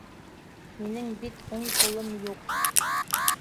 Минең бит ун ҡулым юҡ.